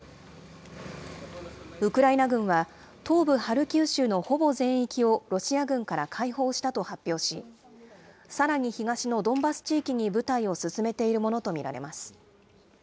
ウクライナ軍は、東部ハルキウ州のほぼ全域をロシア軍から解放したと発表し、さらに東のドンバス地域に部隊を進めているものと見られます。